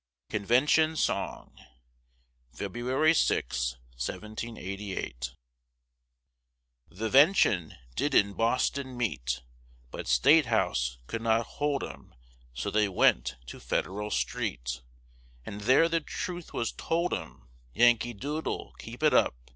CONVENTION SONG [February 6, 1788] The 'Vention did in Boston meet But State House could not hold 'em, So they went to Federal Street, And there the truth was told 'em. Yankee doodle, keep it up!